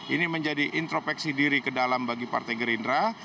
ini menjadi intropeksi diri ke dalam bagi partai gerindra